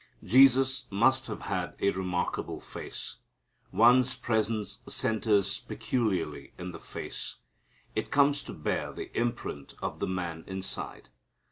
Jesus must have had a remarkable face. One's presence centers peculiarly in the face. It comes to bear the imprint of the man inside.